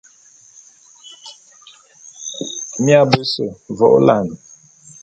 Mia bese vô'ôla'an.